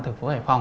thực phố hải phòng